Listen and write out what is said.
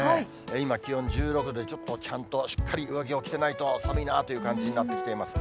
今、気温１６度、ちょっとちゃんとしっかり上着を着てないと寒いなという感じになってきています。